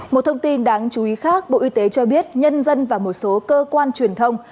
một thông tin đáng chú ý khác bộ y tế cho biết nhân dân và một số cơ quan truyền thông